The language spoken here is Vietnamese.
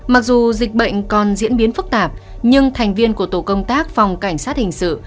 mặc dù dịch bệnh còn diễn biến phức tạp nhưng thành viên của tổ công tác phòng cảnh sát hình sự